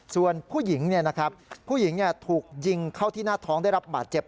ส่วนผู้หญิงผู้หญิงถูกยิงเข้าที่หน้าท้องได้รับบาดเจ็บ